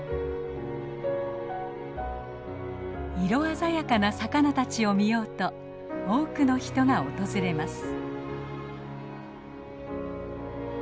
色鮮やかな魚たちを見ようと多くの人が訪れます。